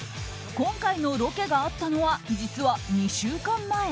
今回のロケがあったのは実は２週間前。